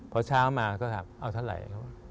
พอเช้ามาก็ครับเอาเท่าไร